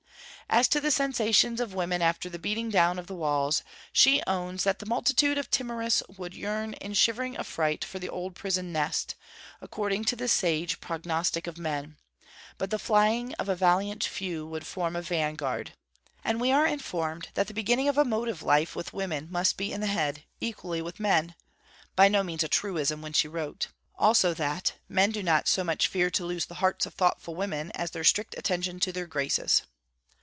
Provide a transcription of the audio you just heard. As to the sensations of women after the beating down of the walls, she owns that the multitude of the timorous would yearn in shivering affright for the old prison nest, according to the sage prognostic of men; but the flying of a valiant few would form a vanguard. And we are informed that the beginning of a motive life with women must be in the head, equally with men (by no means a truism when she wrote). Also that 'men do not so much fear to lose the hearts of thoughtful women as their strict attention to their graces.'